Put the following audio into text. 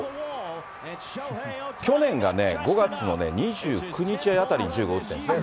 去年がね、５月の２９日あたりに１０号打ってるんですね。